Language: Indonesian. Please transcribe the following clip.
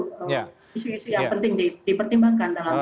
isu isu yang penting dipertimbangkan